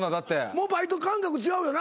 もうバイト感覚違うよな？